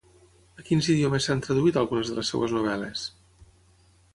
A quins idiomes s'han traduït algunes de les seves novel·les?